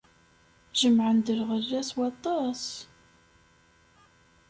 Jemɛen-d lɣella s waṭas.